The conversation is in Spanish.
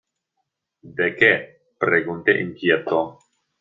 ¿De qué? pregunté inquieto.